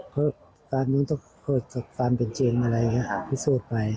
เพราะตามนู้นต้องเกิดจากความเป็นจริงอะไรอย่างนี้พิสูจน์ไป